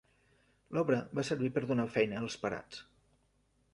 L'obra va servir per donar feina als parats.